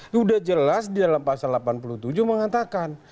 sudah jelas di dalam pasal delapan puluh tujuh mengatakan